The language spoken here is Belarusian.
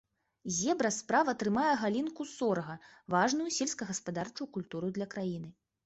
Зебра справа трымае галінку сорга, важную сельскагаспадарчую культуру для краіны.